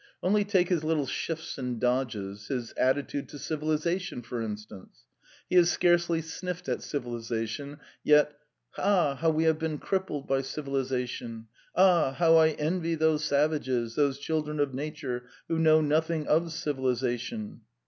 Only take his little shifts and dodges, his attitude to civilisation, for instance. He has scarcely sniffed at civilisation, yet: 'Ah, how we have been crippled by civilisation! Ah, how I envy those savages, those children of nature, who know nothing of civilisation!'